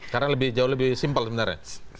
karena jauh lebih simpel sebenarnya